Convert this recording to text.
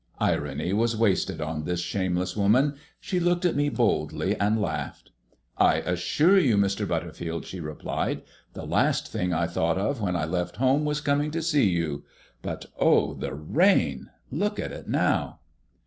Irony was wasted on this shameless woman. She looked at me boldly, and laughed. "I assure you, Mr. Butterfield," she replied, "the last thing I thought of when I left home was coming to see you. But oh, the rain! Look at it now."